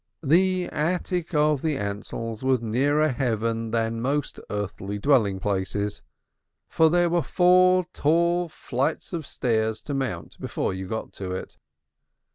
This attic of the Ansells was nearer heaven than most earthly dwelling places, for there were four tall flights of stairs to mount before you got to it.